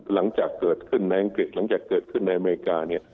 หลังจากเกิดขึ้นในอังกฤษหลังจากเกิดขึ้นในอเมริกาเนี่ย